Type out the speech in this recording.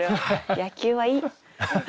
野球はいい。